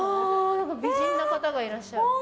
美人な方がいらっしゃる。